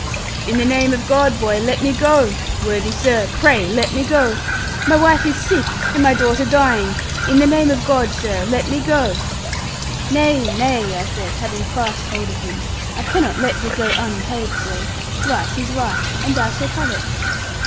'In the name of God, boy, let me go. Worthy sir, pray let me go. My wife is sick, and my daughter dying in the name of God, sir, let me go.' 'Nay, nay,' I said, having fast hold of him, 'I cannot let thee go unpaid, sir. Right is right; and thou shalt have it.'